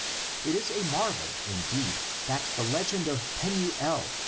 It is a marvel indeed that the legend of Penuel (xxxii.